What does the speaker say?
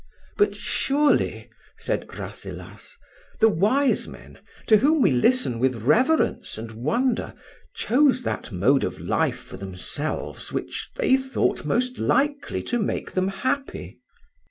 "But, surely," said Rasselas, "the wise men, to whom we listen with reverence and wonder, chose that mode of life for themselves which they thought most likely to make them happy."